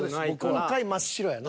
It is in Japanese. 今回真っ白やな。